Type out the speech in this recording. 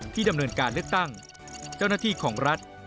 ดำเนินการเลือกตั้งเจ้าหน้าที่ของรัฐ